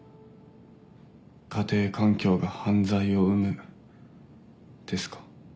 「家庭環境が犯罪を生む」ですか。